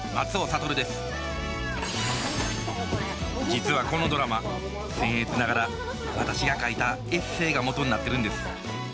実はこのドラマせん越ながら私が書いたエッセイが元になってるんです。